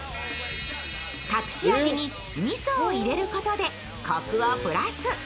隠し味にみそを入れることで、こくをプラス。